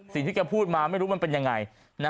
สิ่งที่กายพูดมาไม่รู้ว่ามันเป็นอย่างไร